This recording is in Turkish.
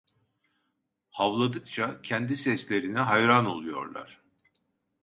Havladıkça kendi seslerine hayran oluyorlar.